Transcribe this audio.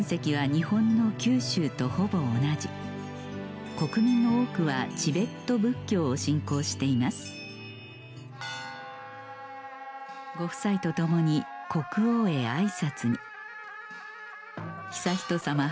日本の九州とほぼ同じ国民の多くはチベット仏教を信仰していますご夫妻と共に国王へあいさつに悠仁さま